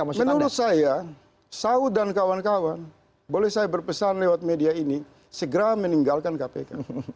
menurut saya saud dan kawan kawan boleh saya berpesan lewat media ini segera meninggalkan kpk